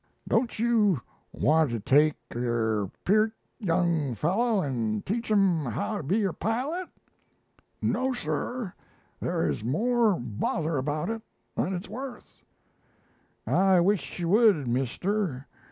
Don't you want to take er piert young fellow and teach 'im how to be er pilot?' "'No sir; there is more bother about it than it's worth.' "'I wish you would, mister.